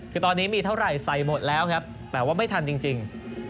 คือตอนนี้มีเท่าไหร่ใส่หมดแล้วครับแต่ว่าไม่ทันจริง